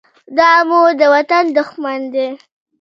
دا مو د وطن دښمن دى.